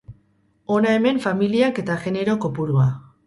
Hona hemen familiak eta genero kopurua.